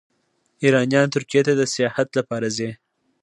ایرانیان ترکیې ته د سیاحت لپاره ځي.